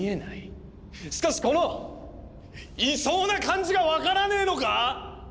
しかしこのいそうな感じが分からねえのか？